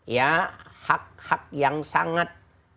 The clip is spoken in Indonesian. ya hak hak yang sangat